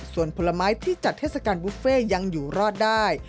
ส่วนผลไม้ที่จัดเทศกาลบุฟเฟ่ยังอยู่รอดได้